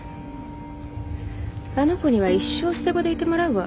あの子には一生捨て子でいてもらうわ。